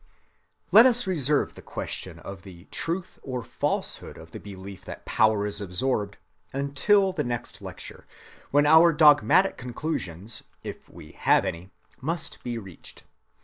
Let us reserve the question of the truth or falsehood of the belief that power is absorbed until the next lecture, when our dogmatic conclusions, if we have any, must be reached.